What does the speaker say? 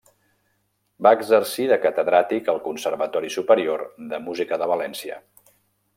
Va exercir de catedràtic al Conservatori Superior de Música de València.